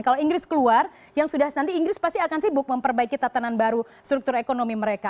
kalau inggris keluar yang sudah nanti inggris pasti akan sibuk memperbaiki tatanan baru struktur ekonomi mereka